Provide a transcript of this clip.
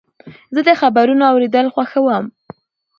زه د خبرونو اورېدل خوښوم.